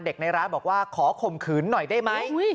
ในร้านบอกว่าขอข่มขืนหน่อยได้ไหม